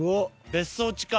別荘地か。